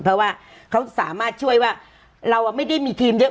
เพราะว่าเขาสามารถช่วยว่าเราไม่ได้มีทีมเยอะ